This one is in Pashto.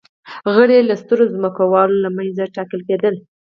غړي یې له سترو ځمکوالو له منځه ټاکل کېدل